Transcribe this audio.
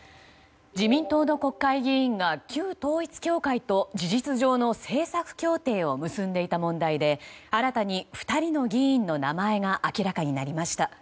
自民党の国会議員が旧統一教会と事実上の政策協定を結んでいた問題で新たに２人の議員の名前が明らかになりました。